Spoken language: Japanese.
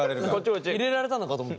入れられたのかと思って。